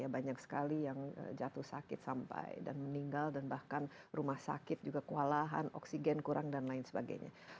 banyak sekali yang jatuh sakit sampai dan meninggal dan bahkan rumah sakit juga kewalahan oksigen kurang dan lain sebagainya